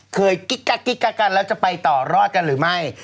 กิ๊กกักกิ๊กกักกันแล้วจะไปต่อรอดกันหรือไม่